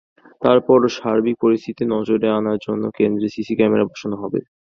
তার পরও সার্বিক পরিস্থিতি নজরে আনার জন্য কেন্দ্রে সিসি ক্যামেরা বসানো হবে।